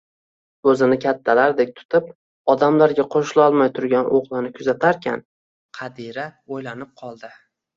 Oʻzini kattalardek tutib, odamlarga qoʻshilolmay turgan oʻgʻlini kuzatarkan, Qadira oʻylanib qoldi